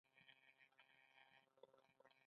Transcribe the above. د مالګې وهلو کبانو سوداګري ګرمه وه.